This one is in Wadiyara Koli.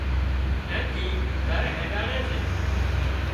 اين ٿي گھر هينڏاڙي سي